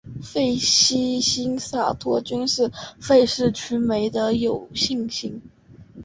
费希新萨托菌是费氏曲霉的有性型。